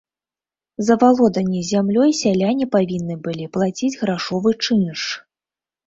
За валоданне зямлёй сяляне павінны былі плаціць грашовы чынш.